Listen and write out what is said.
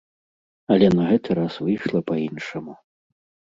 Але на гэты раз выйшла па-іншаму.